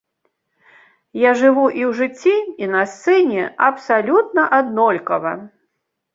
Я жыву і ў жыцці, і на сцэне абсалютна аднолькава.